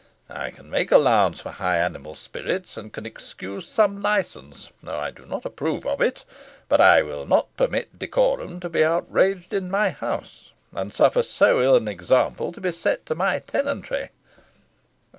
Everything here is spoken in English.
I can make allowance for high animal spirits, and can excuse some licence, though I do not approve of it; But I will not permit decorum to be outraged in my house, and suffer so ill an example to be set to my tenantry."